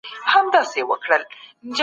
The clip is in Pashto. يوازې په تېر وياړل کافي نه دي.